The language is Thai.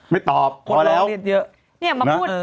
พูดออกเรียนเผาเรียนเหมือนเดียว